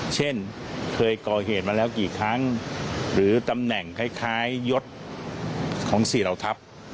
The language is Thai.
เช่นเคยก่อเหตุมาแล้วกี่ครั้งหรือตำแหน่งคล้ายยศของสี่เหล่าทัพ